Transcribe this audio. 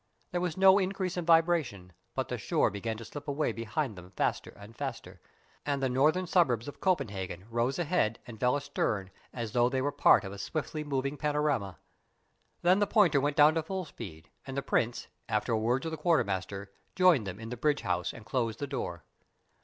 There was no increase in vibration, but the shore began to slip away behind them faster and faster, and the northern suburbs of Copenhagen rose ahead and fell astern as though they were part of a swiftly moving panorama. Then the pointer went down to full speed, and the Prince, after a word to the quartermaster, joined them in the bridge house and closed the door.